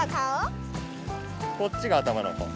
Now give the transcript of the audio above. ⁉こっちが頭のほう。